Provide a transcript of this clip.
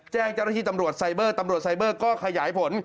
แจ้งเจ้าหน้าที่ตำรวจไซเบอร์ตำรวจไซเบอร์ก็ขยายผล